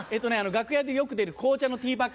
楽屋でよく出る紅茶のティーバッグ。